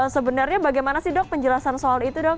sebenarnya bagaimana sih dok penjelasan soal itu dok